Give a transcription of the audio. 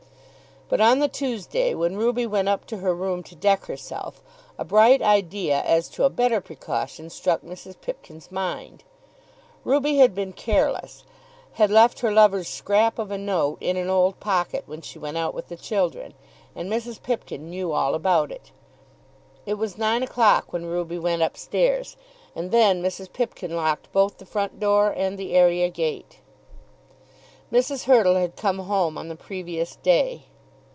But on the Tuesday, when Ruby went up to her room to deck herself, a bright idea as to a better precaution struck Mrs. Pipkin's mind. Ruby had been careless, had left her lover's scrap of a note in an old pocket when she went out with the children, and Mrs. Pipkin knew all about it. It was nine o'clock when Ruby went up stairs, and then Mrs. Pipkin locked both the front door and the area gate. Mrs. Hurtle had come home on the previous day.